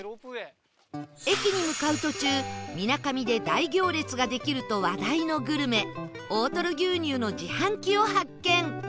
駅に向かう途中みなかみで大行列ができると話題のグルメ大とろ牛乳の自販機を発見